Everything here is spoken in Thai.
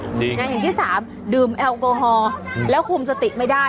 อย่างที่สามดื่มแอลกอฮอล์แล้วคุมสติไม่ได้